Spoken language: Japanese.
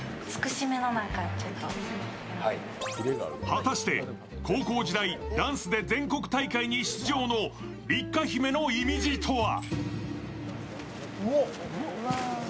果たして高校時台、ダンスで全国大会に出場の六花姫のいみじとは？